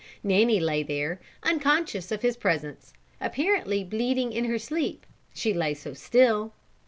Nanny lay there unconscious of his presence; apparently bleating in her sleep, she lay so still.